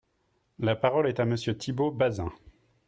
La parole est à Monsieur Thibault Bazin.